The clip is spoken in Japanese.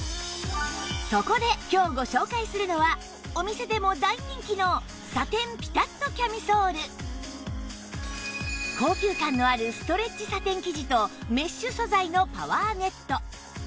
そこで今日ご紹介するのはお店でも大人気の高級感のあるストレッチサテン生地とメッシュ素材のパワーネット